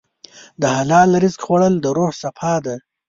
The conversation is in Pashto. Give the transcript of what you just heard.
د حلال رزق خوړل د روح صفا ده.